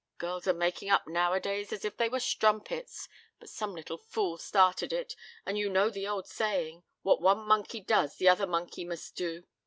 Girls are making up nowadays as if they were strumpets, but some little fool started it, and you know the old saying: 'What one monkey does the other monkey must do.'